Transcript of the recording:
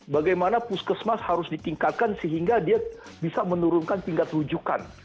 bagaimana puskesmas harus ditingkatkan sehingga dia bisa menurunkan tingkat rujukan